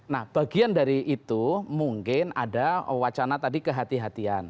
nah bagian dari itu mungkin ada wacana tadi kehatian kehatian